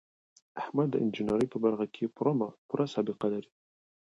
احمد د انجینرۍ په برخه کې پوره سابقه لري.